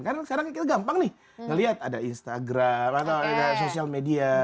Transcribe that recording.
karena sekarang kita gampang nih ngeliat ada instagram atau ada social media